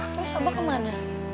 terus abah kemana